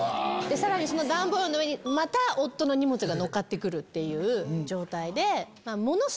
さらにその段ボールの上にまた夫の荷物がのっかってくるっていう状態で。